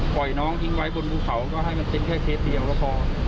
ปล่อยน้องทิ้งไว้บนภูเขาก็ให้มันเป็นแค่เคสเดียวก็พอ